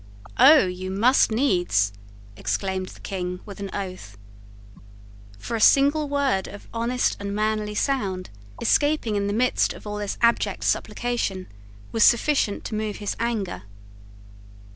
"Oh, you must needs," exclaimed the King, with an oath. For a single word of honest and manly sound, escaping in the midst of all this abject supplication, was sufficient to move his anger.